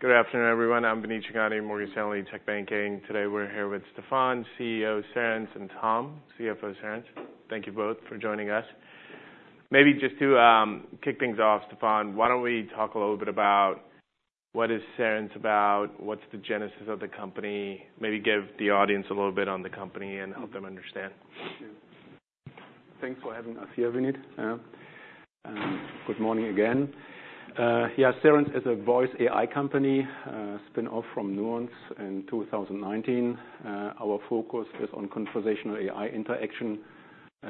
Good afternoon, everyone. I'm Vineet Chhangani, Morgan Stanley Tech Banking. Today we're here with Stefan, CEO, Cerence, and Tom, CFO, Cerence. Thank you both for joining us. Maybe just to kick things off, Stefan, why don't we talk a little bit about what Cerence is about, what's the genesis of the company. Maybe give the audience a little bit on the company and help them understand. Sure. Thanks for having us here, Vineet. Good morning again. Yeah, Cerence is a voice AI company spin-off from Nuance in 2019. Our focus is on conversational AI interaction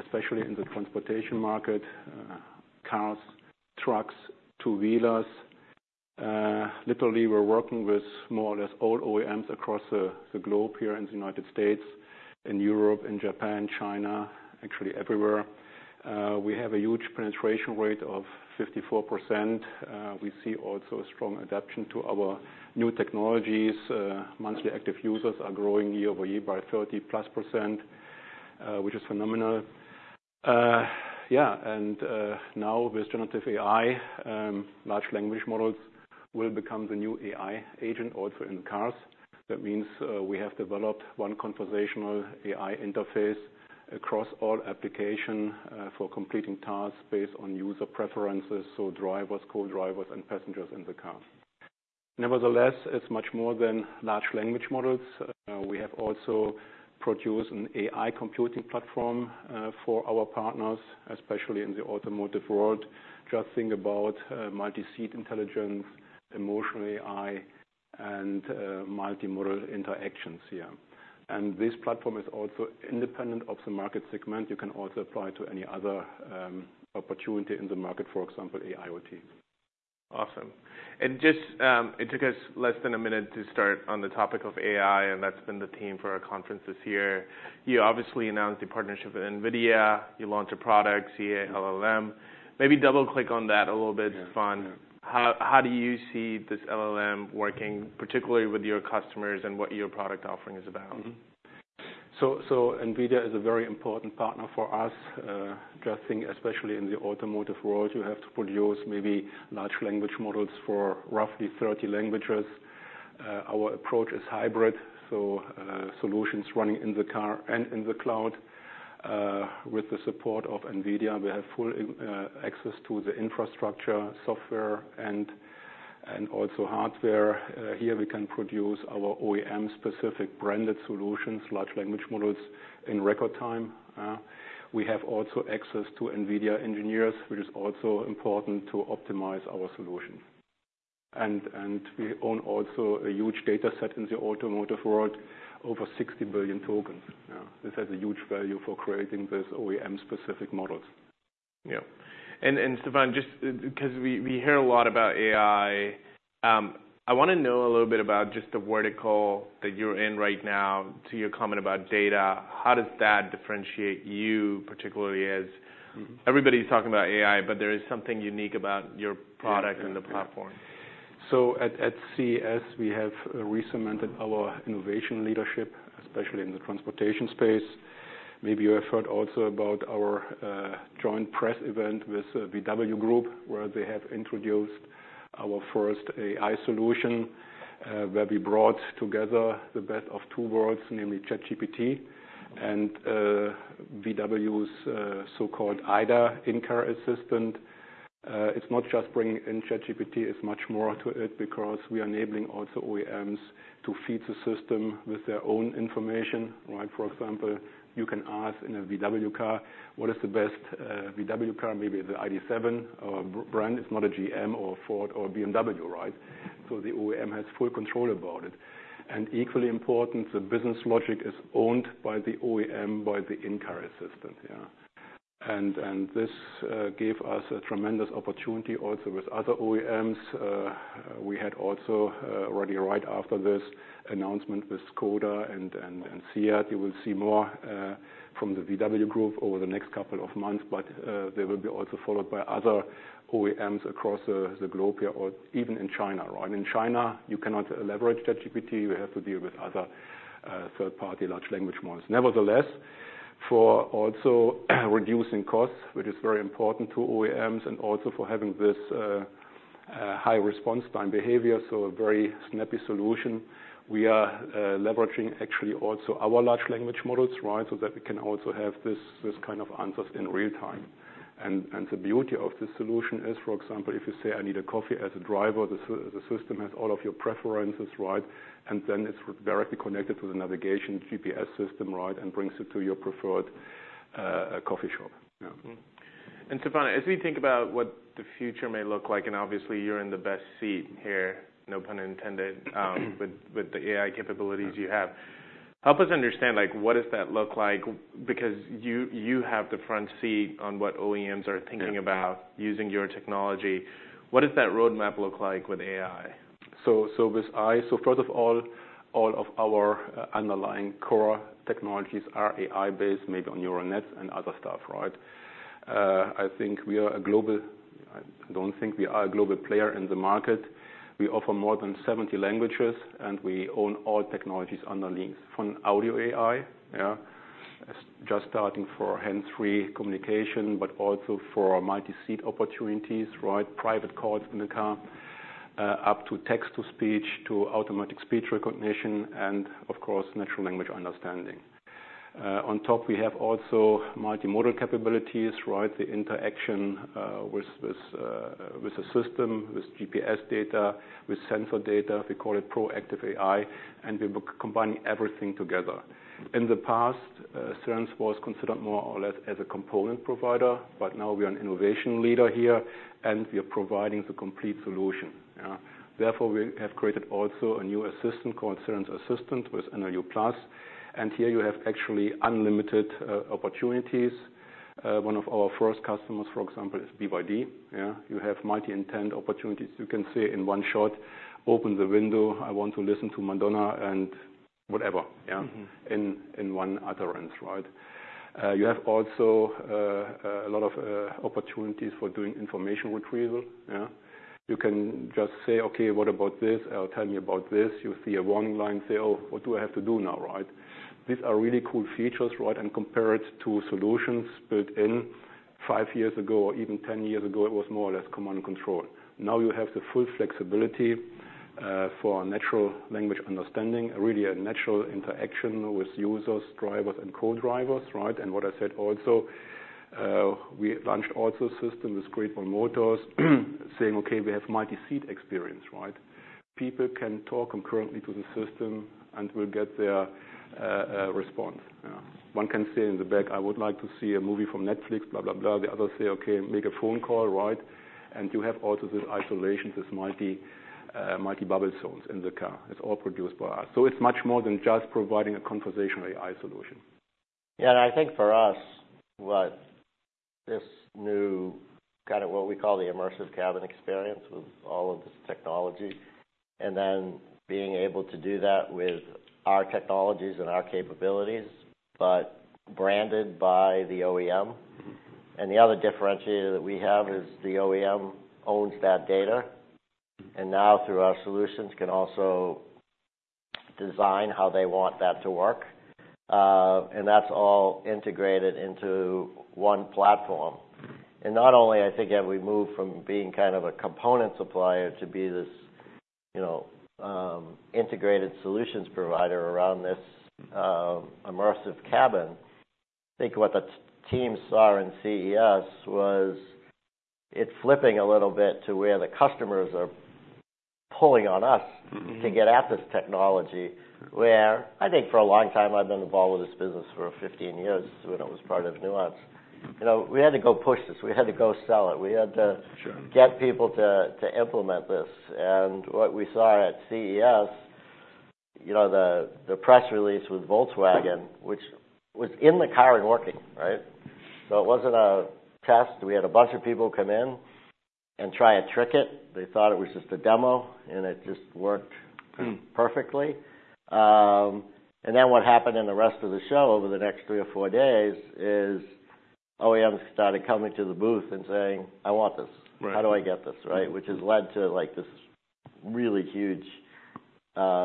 especially in the transportation market: cars, trucks, two-wheelers. Literally, we're working with more or less all OEMs across the globe here in the United States, in Europe, in Japan, China, actually everywhere. We have a huge penetration rate of 54%. We see also a strong adoption to our new technologies. Monthly active users are growing year-over-year by 30%+ which is phenomenal. Yeah, and now with generative AI large language models will become the new AI agent also in cars. That means we have developed one conversational AI interface across all application for completing tasks based on user preferences so drivers, co-drivers and passengers in the car. Nevertheless, it's much more than large language models. We have also produced an AI computing platform for our partners especially in the automotive world. Just think about multi-seat intelligence emotional AI and multimodal interactions here. This platform is also independent of the market segment. You can also apply to any other opportunity in the market for example AIoT. Awesome. And just, it took us less than a minute to start on the topic of AI, and that's been the theme for our conferences here. You obviously announced the partnership with NVIDIA. You launched a product, CaLLM. Maybe double-click on that a little bit, Stefan. Yeah. How do you see this LLM working particularly with your customers and what your product offering is about? Mm-hmm. So so NVIDIA is a very important partner for us. Just think especially in the automotive world you have to produce maybe large language models for roughly 30 languages. Our approach is hybrid so solutions running in the car and in the cloud. With the support of NVIDIA we have full AI access to the infrastructure software and also hardware. Here we can produce our OEM-specific branded solutions large language models in record time. We have also access to NVIDIA engineers which is also important to optimize our solution. And we own also a huge data set in the automotive world over 60 billion tokens. This has a huge value for creating this OEM-specific models. Yeah. And Stefan, just because we hear a lot about AI, I wanna know a little bit about just the vertical that you're in right now to your comment about data. How does that differentiate you particularly as. Mm-hmm. Everybody's talking about AI, but there is something unique about your product and the platform. So at CES we have re-cemented our innovation leadership especially in the transportation space. Maybe you have heard also about our joint press event with VW Group where they have introduced our first AI solution where we brought together the best of two worlds namely ChatGPT and VW's so-called IDA in-car assistant. It's not just bringing in ChatGPT it's much more to it because we are enabling also OEMs to feed the system with their own information right. For example you can ask in a VW car what is the best VW car maybe the ID.7 or brand it's not a GM or a Ford or a BMW right. So the OEM has full control about it. And this gave us a tremendous opportunity also with other OEMs. We had also already, right after this announcement with Škoda and SEAT. You will see more from the VW Group over the next couple of months, but they will be also followed by other OEMs across the globe here or even in China, right. In China you cannot leverage ChatGPT. You have to deal with other third-party large language models. Nevertheless, for also reducing costs, which is very important to OEMs, and also for having this high response time behavior so a very snappy solution, we are leveraging actually also our large language models, right, so that we can also have this kind of answers in real time. And the beauty of this solution is, for example, if you say, "I need a coffee" as a driver, the system has all of your preferences, right. And then it's our directly connected to the navigation GPS system, right, and brings it to your preferred coffee shop, yeah. Mm-hmm. And Stefan, as we think about what the future may look like and obviously you're in the best seat here, no pun intended, with the AI capabilities you have. Help us understand like what does that look like because you have the front seat on what OEMs are thinking about using your technology. What does that roadmap look like with AI? So, first of all, all of our underlying core technologies are AI-based, maybe on neural nets and other stuff, right? I think we are a global player in the market. We offer more than 70 languages and we own all underlying technologies from audio AI, yeah. It's just starting for hands-free communication but also for multi-seat opportunities, right? Private calls in the car up to text-to-speech to automatic speech recognition and of course natural language understanding. On top, we have also multimodal capabilities, right? The interaction with a system with GPS data with sensor data. We call it proactive AI and we're combining everything together. In the past, Cerence was considered more or less as a component provider, but now we are an innovation leader here and we are providing the complete solution, yeah. Therefore, we have created also a new assistant called Cerence Assistant with NLU Plus. And here you have actually unlimited opportunities. One of our first customers, for example, is BYD, yeah. You have multi-intent opportunities. You can say in one shot, open the window, I want to listen to Madonna, and whatever, yeah. Mm-hmm. In one utterance, right. You have also a lot of opportunities for doing information retrieval, yeah. You can just say okay what about this or tell me about this. You see a warning light say oh what do I have to do now right. These are really cool features right and compare it to solutions built five years ago or even ten years ago it was more or less command and control. Now you have the full flexibility for natural language understanding really a natural interaction with users drivers and co-drivers right. And what I said also we launched also a system with Great Wall Motor saying okay we have multi-seat experience right. People can talk concurrently to the system and will get their response yeah. One can say in the back I would like to see a movie from Netflix blah blah blah. The other say okay make a phone call right. You have also this isolation, this multi-bubble zones in the car. It's all produced by us. It's much more than just providing a conversational AI solution. Yeah, and I think for us what this new kinda what we call the immersive cabin experience with all of this technology and then being able to do that with our technologies and our capabilities but branded by the OEM. Mm-hmm. The other differentiator that we have is the OEM owns that data. Mm-hmm. And now, through our solutions, can also design how they want that to work. And that's all integrated into one platform. And not only, I think, have we moved from being kind of a component supplier to be this, you know, integrated solutions provider around this. Mm-hmm. immersive cabin. I think what the teams saw in CES was it flipping a little bit to where the customers are pulling on us. Mm-hmm. To get at this technology. Mm-hmm. Where I think for a long time I've been involved with this business for 15 years when it was part of Nuance. Mm-hmm. You know we had to go push this. We had to go sell it. We had to. Sure. Get people to implement this. What we saw at CES, you know, the press release with Volkswagen, which was in the car and working, right. It wasn't a test. We had a bunch of people come in and try and trick it. They thought it was just a demo and it just worked. Mm-hmm. Perfectly. And then what happened in the rest of the show over the next three or four days is OEMs started coming to the booth and saying, "I want this. Right. How do I get this right? Which has led to like this really huge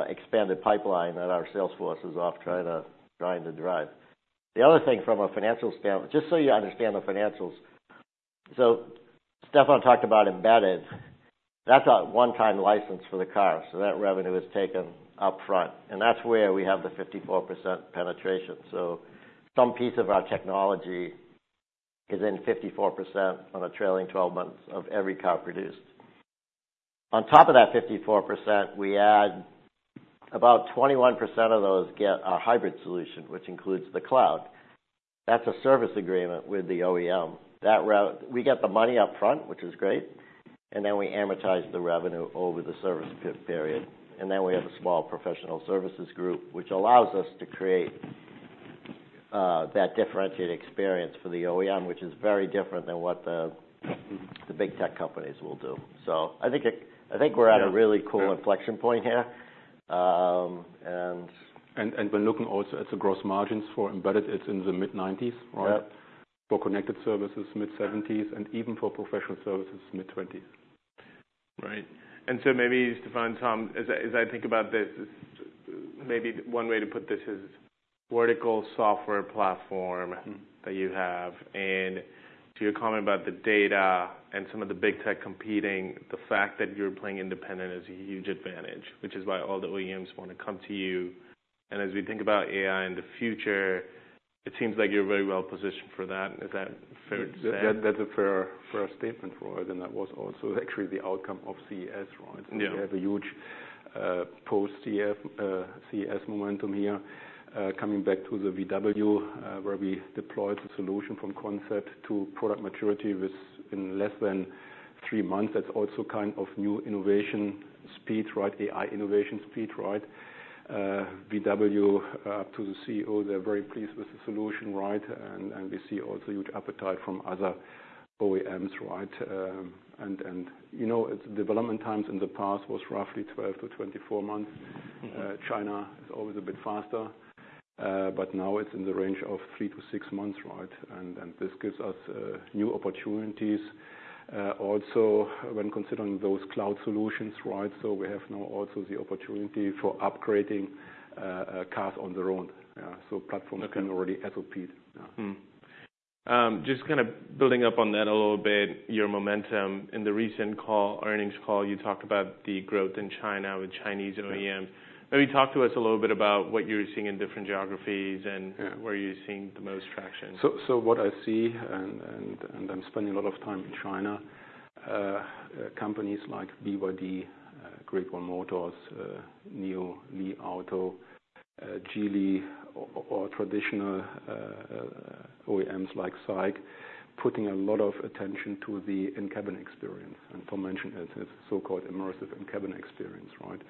expanded pipeline that our sales force is off trying to drive. The other thing from a financial standpoint just so you understand the financials so Stefan talked about embedded. That's a one-time license for the car. So that revenue is taken up front. That's where we have the 54% penetration. So some piece of our technology is in 54% on a trailing twelve months of every car produced. On top of that 54% we add about 21% of those get a hybrid solution which includes the cloud. That's a service agreement with the OEM. That route we get the money up front which is great. Then we amortize the revenue over the service period. And then we have a small professional services group which allows us to create that differentiated experience for the OEM which is very different than what the. Mm-hmm. The big tech companies will do. So I think we're at a really cool. Mm-hmm. Inflection point here. And we're looking also at the gross margins for embedded. It's in the mid-90s% right? Yeah. For connected services mid-70s% and even for professional services mid-20s%. Right. And so maybe Stefan Tom as I think about this maybe one way to put this is vertical software platform. Mm-hmm. That you have. To your comment about the data and some of the big tech competing, the fact that you're playing independent is a huge advantage, which is why all the OEMs wanna come to you. As we think about AI in the future, it seems like you're very well positioned for that. Is that fair to say? That's a fair fair statement, right. And that was also actually the outcome of CES, right. Yeah. So we have a huge post-CES momentum here. Coming back to the VW where we deployed the solution from concept to product maturity within less than 3 months, that's also kind of new innovation speed, right? AI innovation speed, right. VW up to the CEO, they're very pleased with the solution, right. And you know, it's development times in the past was roughly 12-24 months. Mm-hmm. China is always a bit faster, but now it's in the range of 3-6 months, right. And this gives us new opportunities, also when considering those cloud solutions, right? So we have now also the opportunity for upgrading cars on their own, yeah. So platforms. Okay. Can already escalate, yeah. Just kinda building up on that a little bit, your momentum in the recent earnings call, you talked about the growth in China with Chinese OEMs. Mm-hmm. Maybe talk to us a little bit about what you're seeing in different geographies and? Yeah. Where you're seeing the most traction. So what I see and I'm spending a lot of time in China companies like BYD Great Wall Motors NIO Li Auto Geely or traditional OEMs like SAIC putting a lot of attention to the in-cabin experience. And Tom mentioned it's so-called immersive in-cabin experience, right.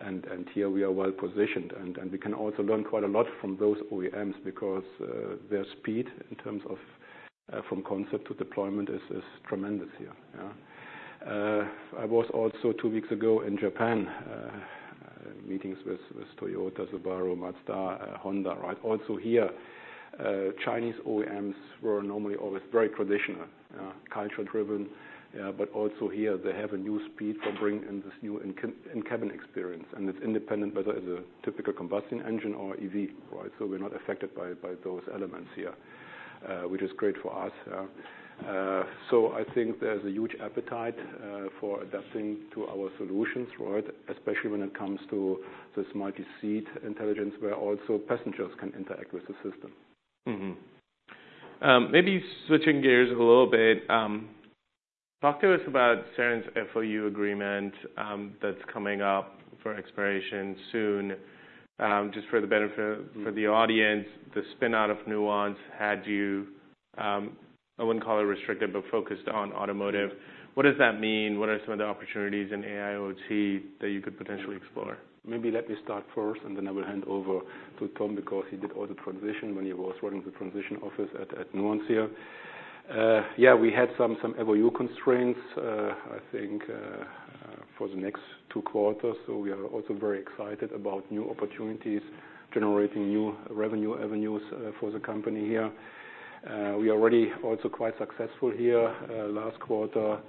And here we are well positioned. And we can also learn quite a lot from those OEMs because their speed in terms of from concept to deployment is tremendous here, yeah. I was also two weeks ago in Japan, meetings with Toyota Subaru Mazda Honda, right. Also here Chinese OEMs were normally always very traditional, yeah, culture-driven, yeah. But also here they have a new speed for bringing in this new in-cabin experience. And it's independent whether it's a typical combustion engine or EV, right. So we're not affected by those elements here, which is great for us, yeah. I think there's a huge appetite for adapting to our solutions, right, especially when it comes to this multi-seat intelligence where also passengers can interact with the system. Mm-hmm. Maybe switching gears a little bit, talk to us about Cerence FOU agreement that's coming up for expiration soon, just for the benefit. Mm-hmm. For the audience, the spin-off of Nuance had you. I wouldn't call it restricted but focused on automotive. What does that mean? What are some of the opportunities in AIoT that you could potentially explore? Maybe let me start first and then I will hand over to Tom because he did all the transition when he was running the transition office at Nuance here. Yeah, we had some FOU constraints I think for the next two quarters. So we are also very excited about new opportunities generating new revenue avenues for the company here. We are already also quite successful here last quarter.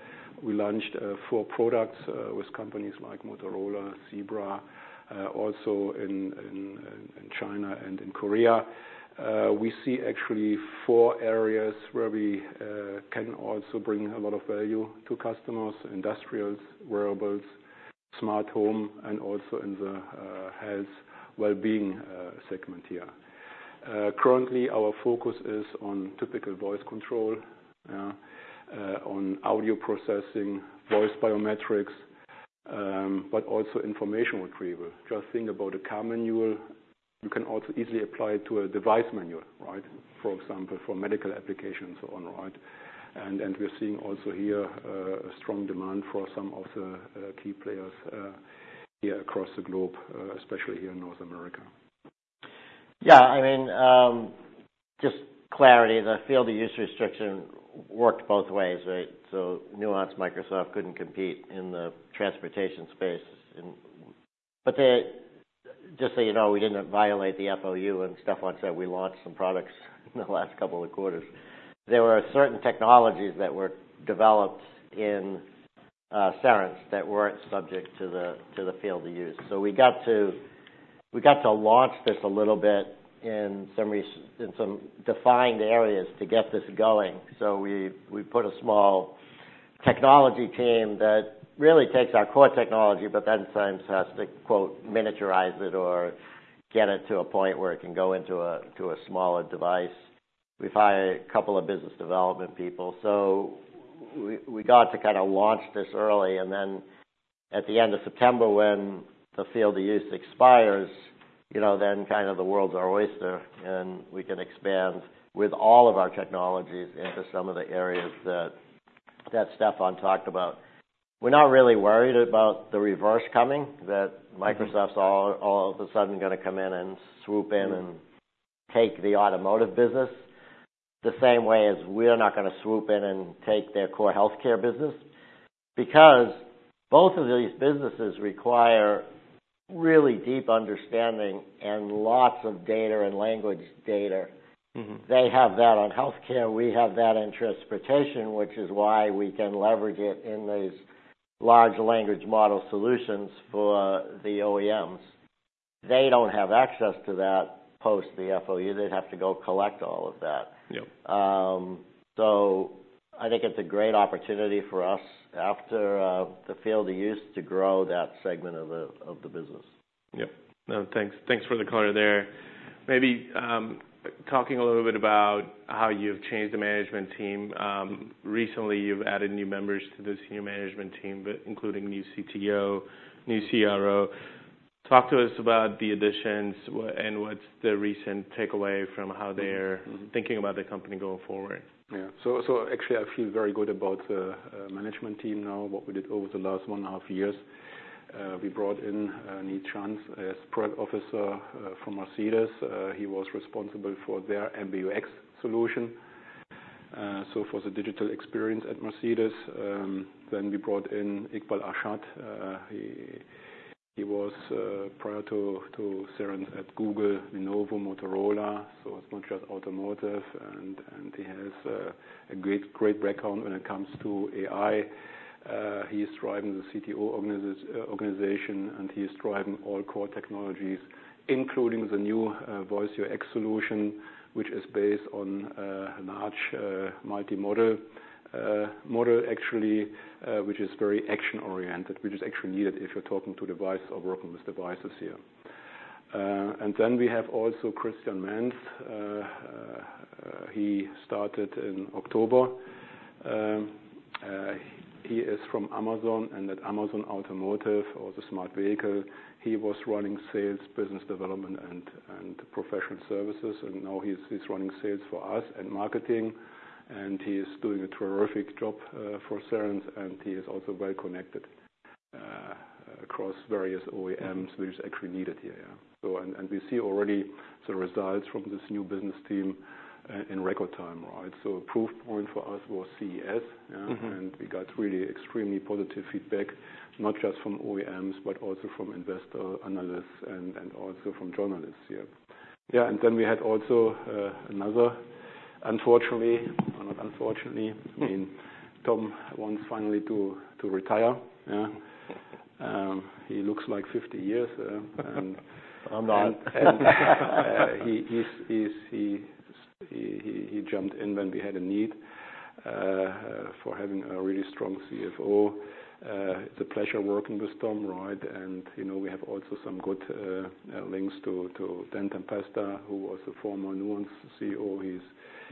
We launched four products with companies like Motorola, Zebra, also in China and in Korea. We see actually four areas where we can also bring a lot of value to customers: industrials, wearables, smart home, and also in the health well-being segment here. Currently our focus is on typical voice control, yeah, on audio processing, voice biometrics, but also information retrieval. Just think about a car manual. You can also easily apply it to a device manual, right? For example, for medical applications, so on, right. And we're seeing also here a strong demand for some of the key players here across the globe, especially here in North America. Yeah, I mean, just clarify the field of use restriction worked both ways, right. So Nuance Microsoft couldn't compete in the transportation space, but they just so you know we didn't violate the FOU, and Stefan said we launched some products in the last couple of quarters. There were certain technologies that were developed in Cerence that weren't subject to the field of use. So we got to launch this a little bit in some defined areas to get this going. So we put a small technology team that really takes our core technology but then sometimes has to quote miniaturize it or get it to a point where it can go into a smaller device. We've hired a couple of business development people. So we got to kinda launch this early. And then at the end of September when the field of use expires you know then kinda the world's our oyster and we can expand with all of our technologies into some of the areas that Stefan talked about. We're not really worried about the reverse coming that Microsoft's all of a sudden gonna come in and swoop in and take the automotive business the same way as we're not gonna swoop in and take their core healthcare business. Because both of these businesses require really deep understanding and lots of data and language data. Mm-hmm. They have that on healthcare. We have that in transportation which is why we can leverage it in these large language model solutions for the OEMs. They don't have access to that post the FOU. They'd have to go collect all of that. Yep. I think it's a great opportunity for us after the field of use to grow that segment of the business. Yep. No thanks. Thanks for the color there. Maybe talking a little bit about how you've changed the management team. Recently you've added new members to this new management team, including new CTO, new CRO. Talk to us about the additions and what's the recent takeaway from how they're. Mm-hmm. Thinking about the company going forward. Yeah. So actually I feel very good about the management team now what we did over the last 1.5 years. We brought in Nils Schanz as product officer from Mercedes. He was responsible for their MBUX solution. So for the digital experience at Mercedes then we brought in Iqbal Arshad. He was prior to Cerence at Google Lenovo Motorola. So it's not just automotive. And he has a great background when it comes to AI. He's driving the CTO organization and he's driving all core technologies including the new Voice UX solution which is based on a large multimodal model actually which is very action-oriented which is actually needed if you're talking to device or working with devices here. And then we have also Christian Mentz. He started in October. He is from Amazon and at Amazon Automotive or the Smart Vehicle. He was running sales, business development, and professional services. And now he's running sales for us and marketing. And he's doing a terrific job for Cerence. And he is also well connected across various OEMs, which is actually needed here, yeah. So we see already the results from this new business team in record time, right. So a proof point for us was CES, yeah. Mm-hmm. We got really extremely positive feedback not just from OEMs but also from investor analysts and also from journalists here. Yeah and then we had also another unfortunately or not unfortunately. Mm-hmm. I mean, Tom wants finally to retire, yeah. He looks like 50 years, yeah. And. I'm not. He jumped in when we had a need for having a really strong CFO. It's a pleasure working with Tom, right. And you know we have also some good links to Dan Tempesta who was the former Nuance CEO.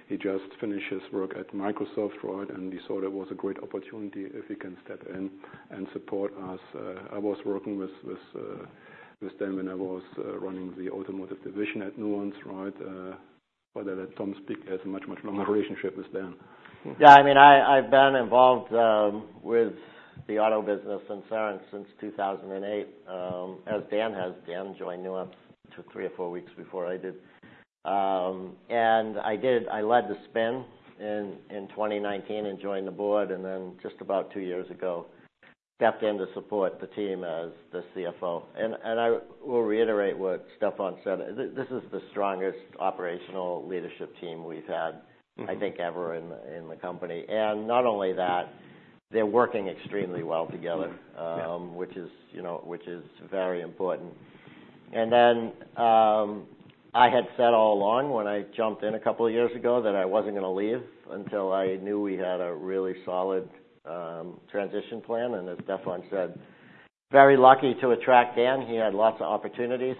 He just finished his work at Microsoft, right. And we thought it was a great opportunity if he can step in and support us. I was working with Dan when I was running the automotive division at Nuance, right. Rather than Tom speak he has a much longer relationship with Dan. Yeah, I mean, I've been involved with the auto business in Cerence since 2008. As Dan joined Nuance 2, 3, or 4 weeks before I did. And I led the spin in 2019 and joined the board. And then just about 2 years ago stepped in to support the team as the CFO. And I will reiterate what Stefan said. This is the strongest operational leadership team we've had. Mm-hmm. I think ever in the company. Not only that they're working extremely well together. Mm-hmm. Which is, you know, which is very important. And then I had said all along when I jumped in a couple of years ago that I wasn't gonna leave until I knew we had a really solid transition plan. And as Stefan said, very lucky to attract Dan. He had lots of opportunities.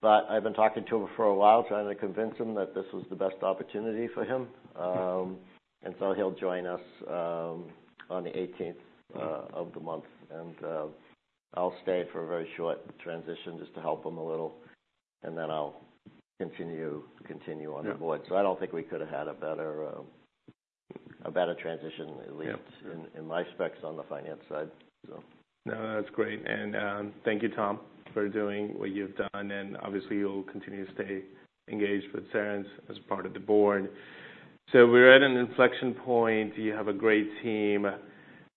But I've been talking to him for a while trying to convince him that this was the best opportunity for him. And so he'll join us on the eighteenth of the month. And I'll stay for a very short transition just to help him a little. And then I'll continue continue on the board. Yeah. I don't think we could have had a better transition at least. Yeah. In my specs on the finance side so. No, that's great. And thank you Tom for doing what you've done. And obviously you'll continue to stay engaged with Cerence as part of the board. So we're at an inflection point. You have a great team.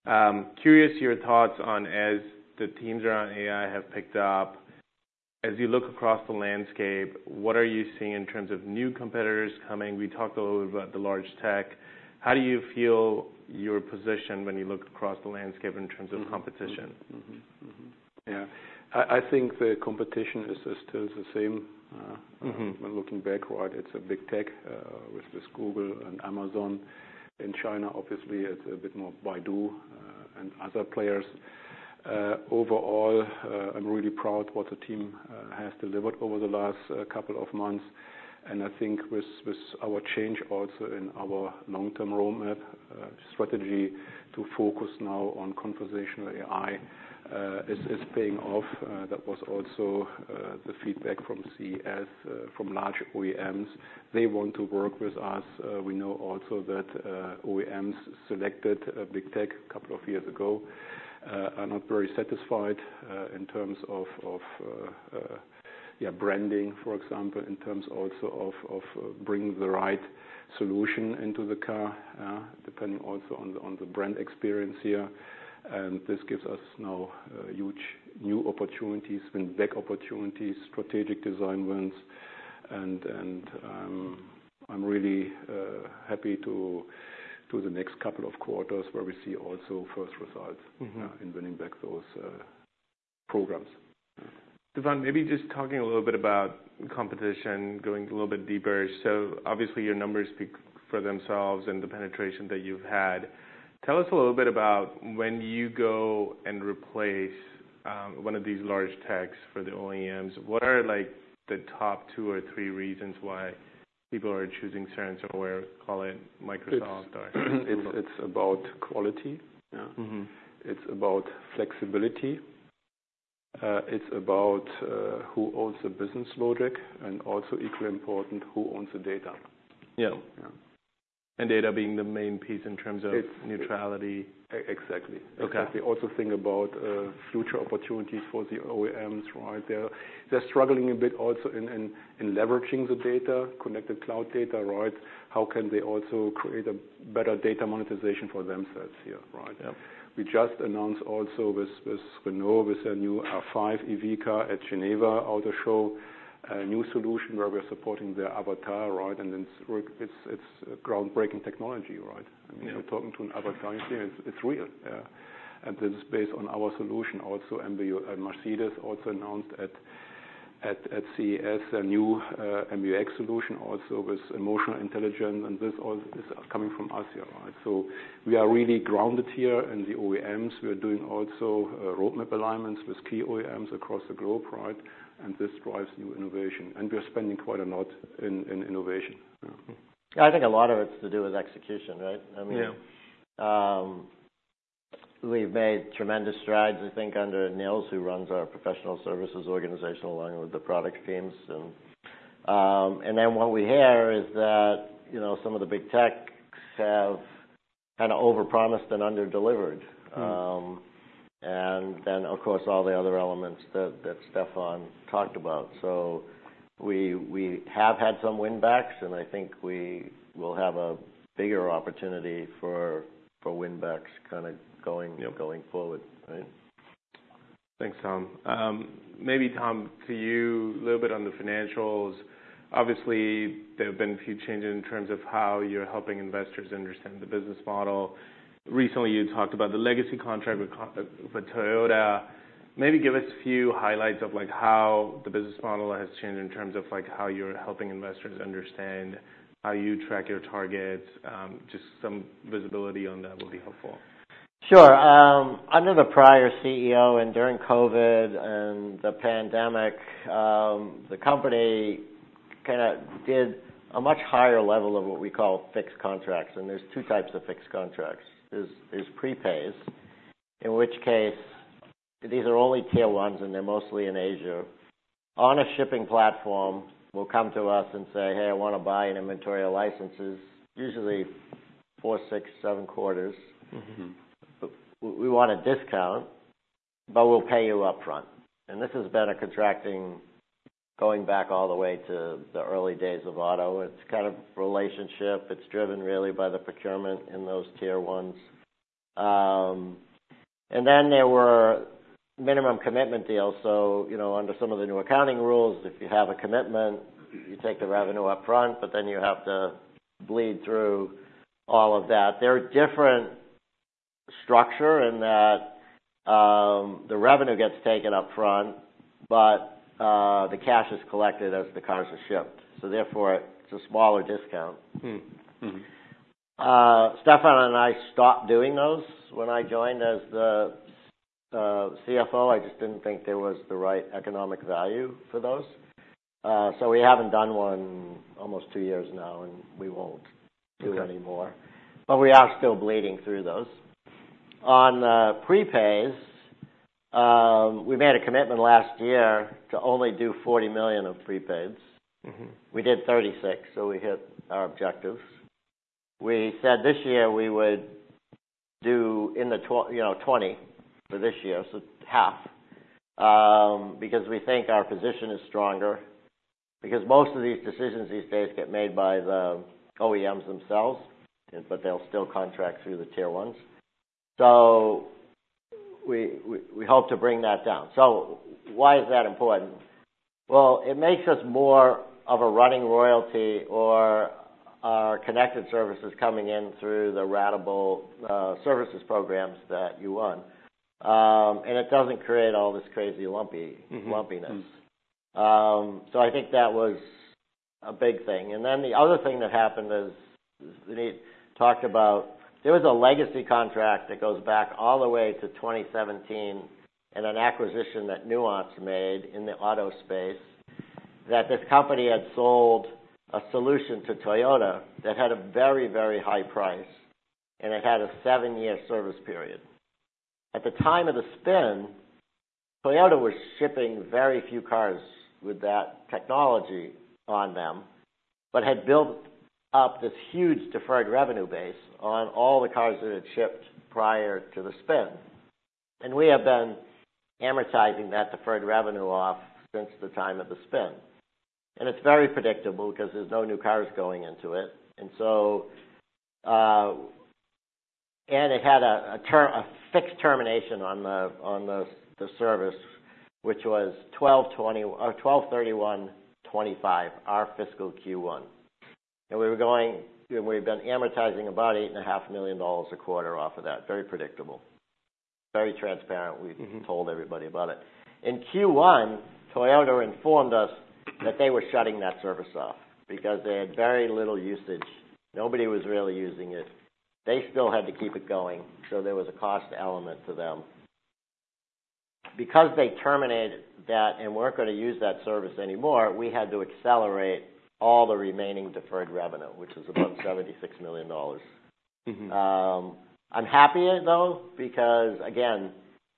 Curious, your thoughts on as the teams around AI have picked up as you look across the landscape, what are you seeing in terms of new competitors coming? We talked a little bit about the large tech. How do you feel your position when you look across the landscape in terms of competition? Mm-hmm. Mm-hmm. Mm-hmm. Yeah. I think the competition is still the same. Mm-hmm. When looking back, right. It's a big tech with with Google and Amazon. In China obviously it's a bit more Baidu and other players. Overall I'm really proud what the team has delivered over the last couple of months. And I think with with our change also in our long-term roadmap strategy to focus now on conversational AI is is paying off. That was also the feedback from CES from large OEMs. They want to work with us. We know also that OEMs selected big tech a couple of years ago are not very satisfied in terms of of yeah branding for example. In terms also of of bringing the right solution into the car yeah depending also on the on the brand experience here. And this gives us now huge new opportunities win back opportunities strategic design wins. I'm really happy to the next couple of quarters where we see also first results. Mm-hmm. Yeah, in winning back those programs. Yeah. Stefan, maybe just talking a little bit about competition, going a little bit deeper. So, obviously, your numbers speak for themselves and the penetration that you've had. Tell us a little bit about when you go and replace one of these large techs for the OEMs, what are, like, the top two or three reasons why people are choosing Cerence, or we call it Microsoft, or. It's about quality, yeah. Mm-hmm. It's about flexibility. It's about who owns the business logic and also equally important who owns the data. Yeah. Yeah. Data being the main piece in terms of. It's. Neutrality. Exactly. Okay. Because they also think about future opportunities for the OEMs right. They're struggling a bit also in leveraging the data connected cloud data right. How can they also create a better data monetization for themselves here right? Yep. We just announced also with Renault with their new R5 EV car at Geneva Auto Show a new solution where we're supporting their avatar, right. And it's a groundbreaking technology, right. Yeah. I mean you're talking to an avatar you see it's real yeah. And this is based on our solution also MBUX Mercedes also announced at CES their new MBUX solution also with emotional intelligence. And this all is coming from us here right. So we are really grounded here in the OEMs. We're doing also roadmap alignments with key OEMs across the globe right. And this drives new innovation. And we're spending quite a lot in innovation yeah. Yeah, I think a lot of it's to do with execution, right. I mean. Yeah. We've made tremendous strides, I think, under Nils who runs our professional services organization along with the product teams. And then what we hear is that, you know, some of the big techs have kinda overpromised and underdelivered. Mm-hmm. and then of course all the other elements that Stefan talked about. So we have had some winbacks and I think we will have a bigger opportunity for winbacks kinda going. Yep. Going forward, right? Thanks, Tom. Maybe, Tom, to you a little bit on the financials. Obviously there have been a few changes in terms of how you're helping investors understand the business model. Recently you talked about the legacy contract with Toyota. Maybe give us a few highlights of like how the business model has changed in terms of like how you're helping investors understand how you track your targets. Just some visibility on that would be helpful. Sure. I'm the prior CEO and during COVID and the pandemic the company kinda did a much higher level of what we call fixed contracts. And there's two types of fixed contracts. There's prepays in which case these are only tier ones and they're mostly in Asia. On a shipping platform we'll come to us and say hey I wanna buy an inventory of licenses usually 4, 6, 7 quarters. Mm-hmm. But we want a discount but we'll pay you upfront. And this has been a contract thing going back all the way to the early days of auto. It's kind of a relationship. It's driven really by the procurement in those tier ones. And then there were minimum commitment deals. So you know under some of the new accounting rules if you have a commitment you take the revenue upfront but then you have to bleed through all of that. There are different structures in that the revenue gets taken upfront but the cash is collected as the cars are shipped. So therefore it's a smaller discount. Mm-hmm. Stefan and I stopped doing those when I joined as the CFO. I just didn't think there was the right economic value for those. So we haven't done one almost two years now and we won't. Okay. Don't anymore. We are still bleeding through those. On the prepays, we made a commitment last year to only do $40 million of prepaids. Mm-hmm. We did 36 so we hit our objectives. We said this year we would do in the 24 for this year so half, because we think our position is stronger. Because most of these decisions these days get made by the OEMs themselves and but they'll still contract through the tier ones. So we hope to bring that down. So why is that important? Well it makes us more of a running royalty or our connected services coming in through the ratable services programs that you run, and it doesn't create all this crazy lumpy. Mm-hmm. Lumpiness. So I think that was a big thing. And then the other thing that happened is, we talked about, there was a legacy contract that goes back all the way to 2017 and an acquisition that Nuance made in the auto space that this company had sold a solution to Toyota that had a very, very high price. And it had a 7-year service period. At the time of the spin, Toyota was shipping very few cars with that technology on them but had built up this huge deferred revenue base on all the cars that had shipped prior to the spin. And we have been amortizing that deferred revenue off since the time of the spin. And it's very predictable 'cause there's no new cars going into it. It had a term, a fixed termination on the service which was 12/20/2025 or 12/31/2025 our fiscal Q1. And we've been amortizing about $8.5 million a quarter off of that. Very predictable. Very transparent. Mm-hmm. We've told everybody about it. In Q1 Toyota informed us that they were shutting that service off because they had very little usage. Nobody was really using it. They still had to keep it going so there was a cost element to them. Because they terminated that and weren't gonna use that service anymore, we had to accelerate all the remaining deferred revenue, which is about $76 million. Mm-hmm. I'm happier though because again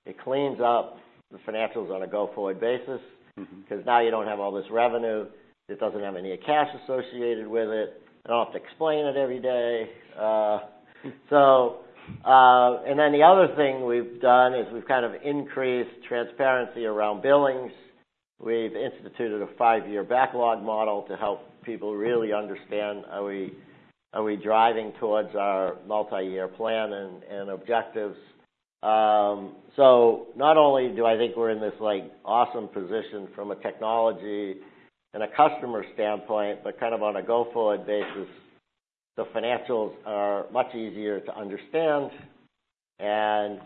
it cleans up the financials on a go-forward basis. Mm-hmm. 'Cause now you don't have all this revenue. It doesn't have any cash associated with it. You don't have to explain it every day. So and then the other thing we've done is we've kind of increased transparency around billings. We've instituted a five-year backlog model to help people really understand are we are we driving towards our multi-year plan and and objectives. So not only do I think we're in this like awesome position from a technology and a customer standpoint but kind of on a go-forward basis the financials are much easier to understand and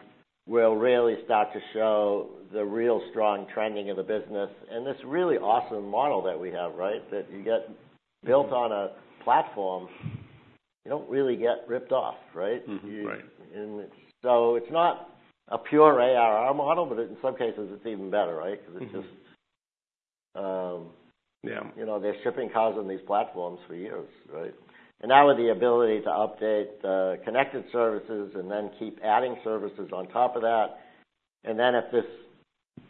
will really start to show the real strong trending of the business. And this really awesome model that we have right that you get built on a platform you don't really get ripped off right. Mm-hmm. Right. Yeah, and it's not a pure ARR model, but in some cases it's even better, right. Mm-hmm. 'Cause it's just Yeah. You know they're shipping cars on these platforms for years, right? And now with the ability to update the connected services and then keep adding services on top of that and then with this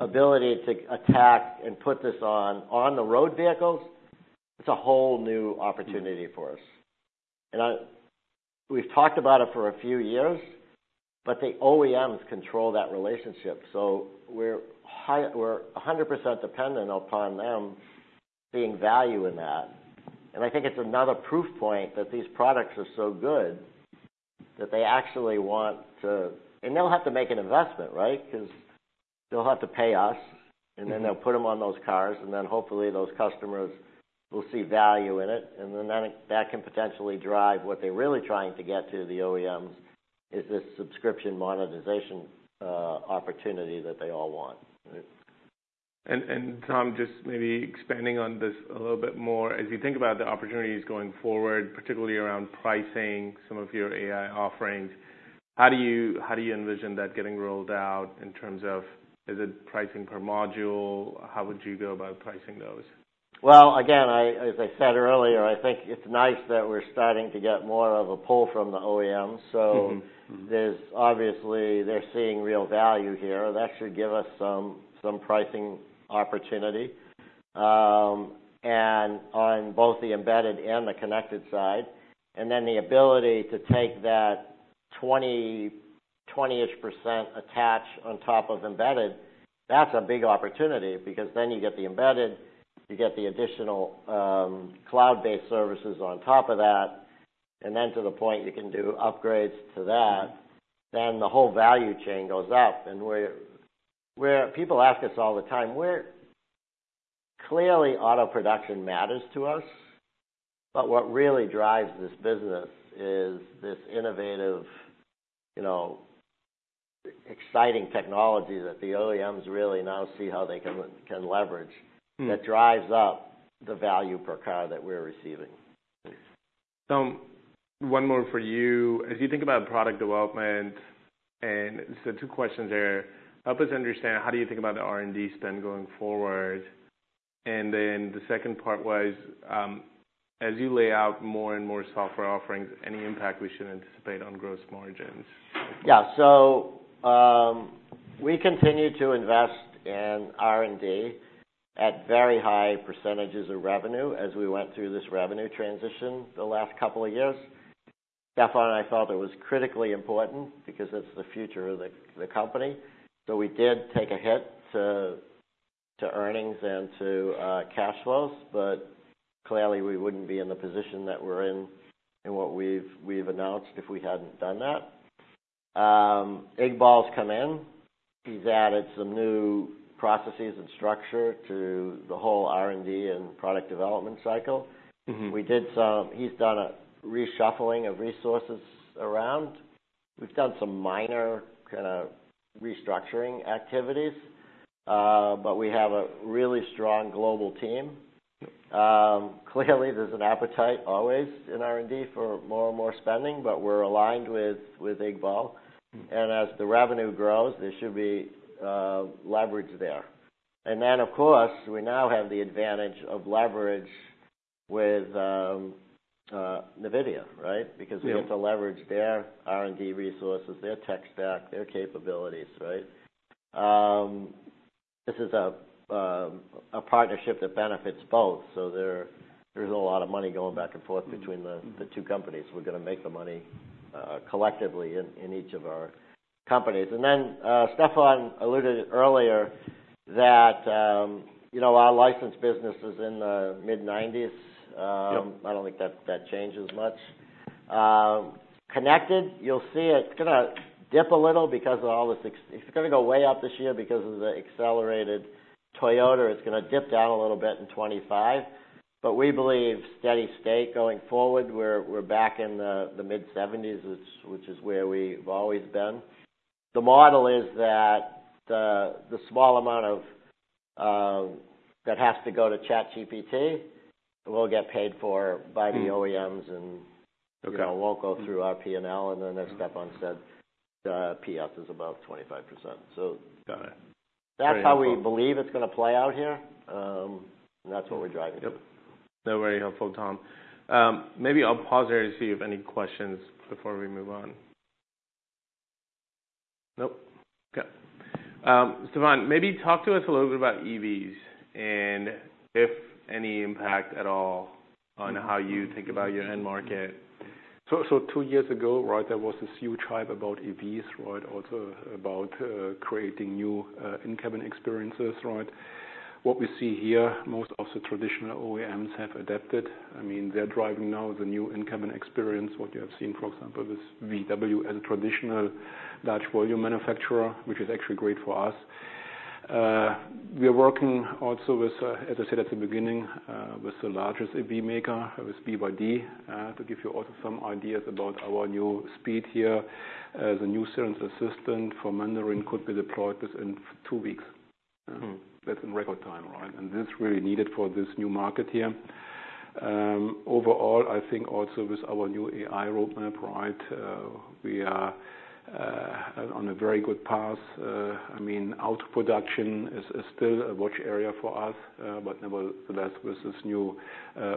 ability to add tech and put this on the road vehicles, it's a whole new opportunity for us. And we've talked about it for a few years, but the OEMs control that relationship. So we're highly dependent upon them seeing value in that 100%. And I think it's another proof point that these products are so good that they actually want to, and they'll have to make an investment, right? 'Cause they'll have to pay us. Mm-hmm. Then they'll put them on those cars and then hopefully those customers will see value in it. And then that can potentially drive what they're really trying to get to the OEMs is this subscription monetization opportunity that they all want, right. And Tom, just maybe expanding on this a little bit more, as you think about the opportunities going forward, particularly around pricing some of your AI offerings, how do you envision that getting rolled out in terms of is it pricing per module? How would you go about pricing those? Well, again, as I said earlier, I think it's nice that we're starting to get more of a pull from the OEMs. So. Mm-hmm. Mm-hmm. There's obviously they're seeing real value here. That should give us some pricing opportunity, and on both the embedded and the connected side. And then the ability to take that 20-20-ish% attach on top of embedded that's a big opportunity because then you get the embedded you get the additional cloud-based services on top of that. And then to the point you can do upgrades to that then the whole value chain goes up. And we're people ask us all the time we're clearly auto production matters to us but what really drives this business is this innovative you know exciting technology that the OEMs really now see how they can can leverage. Mm-hmm. That drives up the value per car that we're receiving. Tom, one more for you. As you think about product development and so two questions there. Help us understand how do you think about the R&D spend going forward? And then the second part was as you lay out more and more software offerings any impact we should anticipate on gross margins? Yeah, so we continue to invest in R&D at very high percentages of revenue as we went through this revenue transition the last couple of years. Stefan and I thought it was critically important because it's the future of the the company. So we did take a hit to to earnings and to cash flows, but clearly we wouldn't be in the position that we're in and what we've we've announced if we hadn't done that. Iqbal's come in. He's added some new processes and structure to the whole R&D and product development cycle. Mm-hmm. We've done some. He's done a reshuffling of resources around. We've done some minor kinda restructuring activities, but we have a really strong global team. Yep. Clearly, there's an appetite always in R&D for more and more spending, but we're aligned with Iqbal. Mm-hmm. As the revenue grows there should be leverage there. Then of course we now have the advantage of leverage with NVIDIA right? Yeah. Because we get to leverage their R&D resources their tech stack their capabilities right. This is a partnership that benefits both so there's a lot of money going back and forth between the. Mm-hmm. The two companies. We're gonna make the money collectively in each of our companies. And then Stefan alluded earlier that you know our licensed business is in the mid-90s. Yep. I don't think that changes much. Connected, you'll see it's gonna dip a little because of all the six. It's gonna go way up this year because of the accelerated Toyota. It's gonna dip down a little bit in 25. But we believe steady state going forward we're back in the mid-70s, which is where we've always been. The model is that the small amount of that has to go to ChatGPT will get paid for by the OEMs and. Okay. You know, won't go through our P&L, and then, as Stefan said, the PS is about 25%. So. Got it. That's how we believe it's gonna play out here. That's what we're driving to. Yep. That was very helpful, Tom. Maybe I'll pause there to see if any questions before we move on. Nope. Okay. Stefan, maybe talk to us a little bit about EVs and if any impact at all on how you think about your end market. So, two years ago, right, there was this huge hype about EVs, right, also about creating new in-cabin experiences, right. What we see here, most of the traditional OEMs have adapted. I mean, they're driving now the new in-cabin experience what you have seen, for example, with VW as a traditional large volume manufacturer, which is actually great for us. We're working also with, as I said at the beginning, with the largest EV maker, with BYD, to give you also some ideas about our new speed here. The new Cerence Assistant for Mandarin could be deployed within two weeks. That's in record time, right. This is really needed for this new market here. Overall, I think also with our new AI roadmap, right, we are on a very good path. I mean our production is still a watch area for us but nevertheless with this new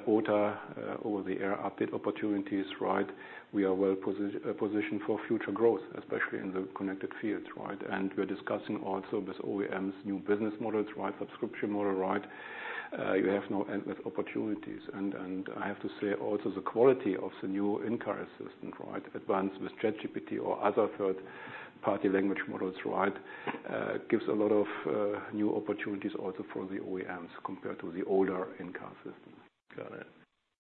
OTA over-the-air update opportunities right we are well positioned for future growth especially in the connected services right. We're discussing also with OEMs new business models right subscription model right. We have endless opportunities. I have to say also the quality of the new in-car assistant right advanced with ChatGPT or other third-party language models right gives a lot of new opportunities also for the OEMs compared to the older in-car systems. Got it.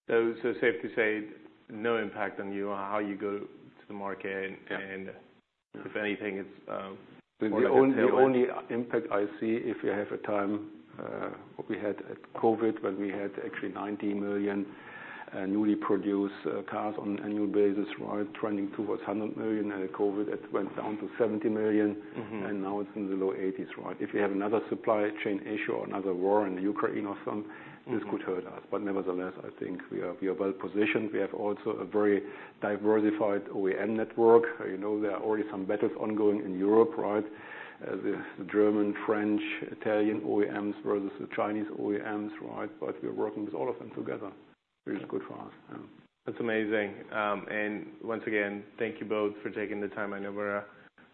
So, safe to say no impact on you on how you go to the market and. Yeah. If anything it's The only impact I see if you have a time what we had at COVID when we had actually 90 million newly produced cars on a new basis right trending towards 100 million and at COVID it went down to 70 million. Mm-hmm. Now it's in the low 80s, right. If you have another supply chain issue or another war in Ukraine or some. Mm-hmm. This could hurt us. But nevertheless, I think we are well positioned. We have also a very diversified OEM network. You know, there are already some battles ongoing in Europe, right. The German, French, Italian OEMs versus the Chinese OEMs, right. But we're working with all of them together. Mm-hmm. Which is good for us. Yeah. That's amazing. Once again thank you both for taking the time. I know we're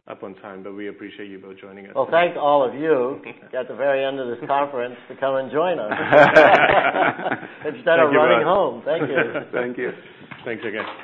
up on time, but we appreciate you both joining us. Well, thank all of you at the very end of this conference to come and join us instead of running home. Thank you. Thank you. Thanks again.